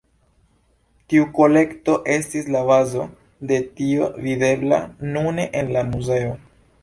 Tiu kolekto estis la bazo de tio videbla nune en la muzeo.